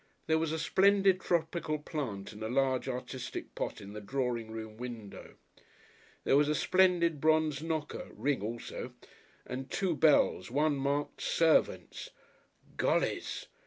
There was a splendid tropical plant in a large, artistic pot in the drawing room window. There was a splendid bronzed knocker (ring also) and two bells one marked "servants." Gollys!